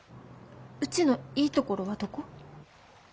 うちのいいところはどこ？